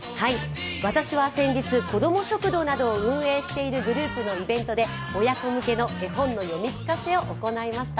私は先日こども食堂などを運営している会社のイベントで親子向けの絵本の読み聞かせを行いました。